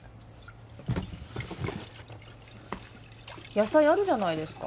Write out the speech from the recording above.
野菜あるじゃないですか